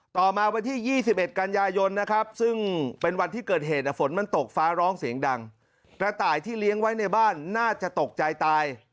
ต่อมาวันที่๒๑กันยายนนะครับซึ่งเป็นวันที่เกิดเหตุฝนมันตกฟ้าร้องเสียงดังกระต่ายที่เลี้ยงไว้ในบ้านน่าจะตกใจตาย